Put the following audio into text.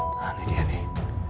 nah ini dia nih